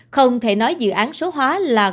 không thể nói dự án số hóa là